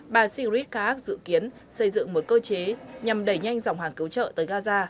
bà sigrid kaak dự kiến xây dựng một cơ chế nhằm đẩy nhanh dòng hàng cứu trợ tới gaza